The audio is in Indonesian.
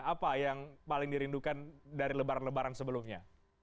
apa yang paling dirindukan dari lebaran lebaran sebelumnya